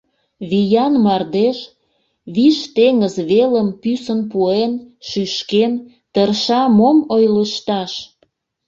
Виян мардеж, виш теҥыз велым пӱсын пуэн, шӱшкен, тырша мом ойлышташ?